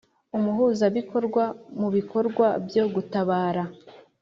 Umuhuzabikorwa mu bikorwa byo gutabara